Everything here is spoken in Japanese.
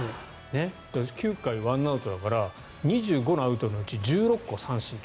９回１アウトだから２５個のアウトのうち１６個三振。